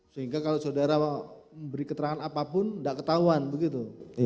sehingga kalau saudara beri keterangan apapun gak ketahuan begitu